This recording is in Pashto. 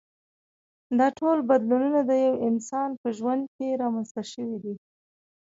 دا ټول بدلونونه د یوه انسان په ژوند کې رامنځته شوي دي.